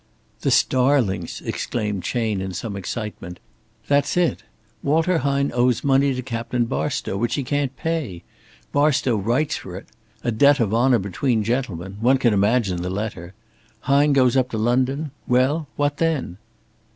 "The starlings," exclaimed Chayne in some excitement. "That's it Walter Hine owes money to Captain Barstow which he can't pay. Barstow writes for it a debt of honor between gentlemen one can imagine the letter. Hine goes up to London. Well, what then?"